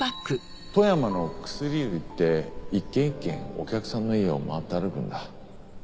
富山の薬売りって一軒一軒お客さんの家を回って歩くんだ。